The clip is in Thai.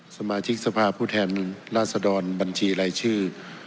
สมาชิกสภาผู้แทนลาสดรบัญชีไรชื่อ